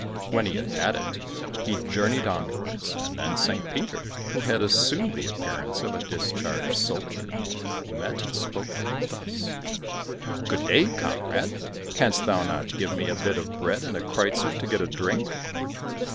When he had had it, he journeyed onwards, and then St. Peter, who had assumed the appearance of a discharged soldier, met and spoke to him thus: "Good day, comrade, canst thou not give me a bit of bread, and a kreuzer to get a drink?"